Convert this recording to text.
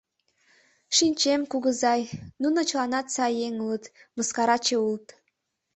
— Шинчем, кугызай, нуно чыланат сай еҥ улыт, мыскараче улыт.